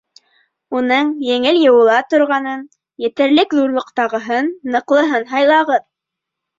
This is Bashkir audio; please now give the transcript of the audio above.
Уның еңел йыуыла торғанын, етерлек ҙурлыҡтағыһын, ныҡлыһын һайлағыҙ.